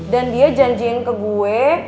dan dia janjiin ke gue